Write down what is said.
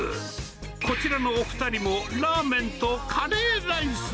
こちらのお２人も、ラーメンとカレーライス。